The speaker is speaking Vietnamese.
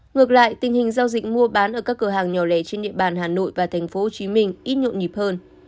ngược lại tình hình giao dịch mua bán ở các cửa hàng nhỏ lẻ trên địa bàn hà nội và tp hcm ít nhộn nhịp hơn